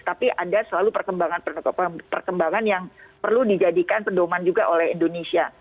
dan selalu perkembangan yang perlu dijadikan pedoman juga oleh indonesia